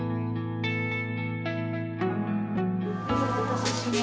お待たせしました。